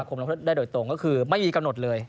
ได้โดยตรงก็คือไม่มีกำหนดเลย